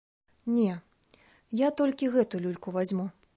Не, я толькі гэту люльку вазьму.